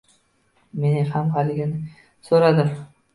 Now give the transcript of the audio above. Men ham haligindan so‘radim.